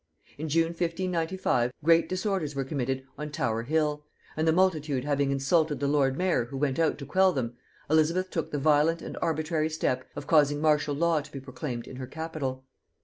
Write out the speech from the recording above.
In June 1595 great disorders were committed on Tower hill; and the multitude having insulted the lord mayor who went out to quell them, Elizabeth took the violent and arbitrary step of causing martial law to be proclaimed in her capital.